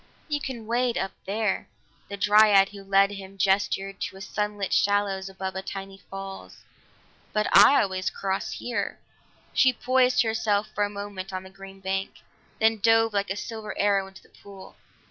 "You can wade up there," the dryad who led him gestured to a sun lit shallows above a tiny falls "but I always cross here." She poised herself for a moment on the green bank, then dove like a silver arrow into the pool.